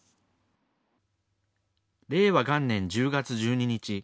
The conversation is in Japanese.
令和元年１０月１２日。